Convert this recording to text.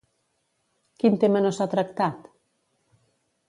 Quin tema no s'ha tractat?